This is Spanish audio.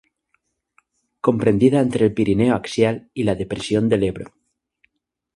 Comprendida entre el Pirineo Axial y la Depresión del Ebro.